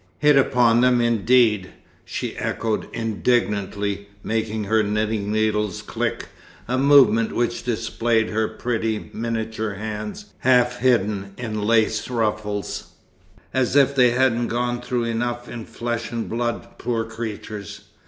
"Hit upon them, indeed!" she echoed indignantly, making her knitting needles click, a movement which displayed her pretty, miniature hands, half hidden in lace ruffles. "As if they hadn't gone through enough, in flesh and blood, poor creatures!